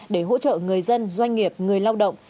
để hỗ trợ người dân doanh nghiệp người lao động